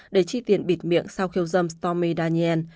để chi tiền bịt miệng sau khiêu dâm stomy daniel